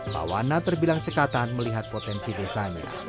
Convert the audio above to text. pak wana terbilang cekatan melihat potensi desanya